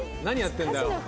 何やってんだよ！